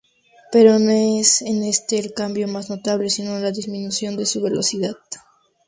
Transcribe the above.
Pero no es este el cambio más notable, sino la disminución de su velocidad.